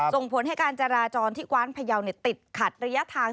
ส่งผลให้การจราจรที่กว้านพยาวติดขัดระยะทาง